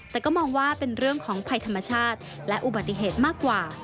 แต่ก็มองว่าเป็นเรื่องของภัยธรรมชาติและอุบัติเหตุมากกว่า